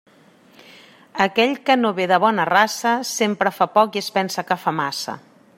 Aquell que no ve de bona raça, sempre fa poc i es pensa que fa massa.